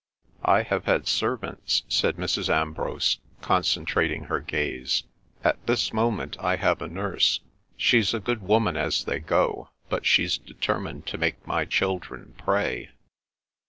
"I have had servants," said Mrs. Ambrose, concentrating her gaze. "At this moment I have a nurse. She's a good woman as they go, but she's determined to make my children pray.